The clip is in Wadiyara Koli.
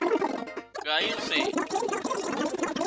ڳايون سي